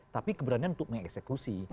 tapi keberanian untuk mengeksekusi